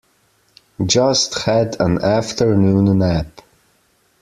Just had an afternoon nap.